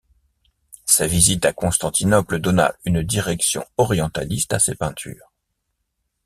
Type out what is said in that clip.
Sa visite à Constantinople donna une direction orientaliste à ses peintures.